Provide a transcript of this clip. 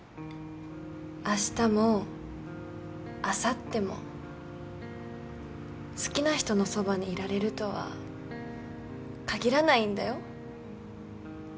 あしたもあさっても好きな人のそばにいられるとは限らないんだよ？